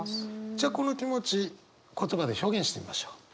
じゃあこの気持ち言葉で表現してみましょう。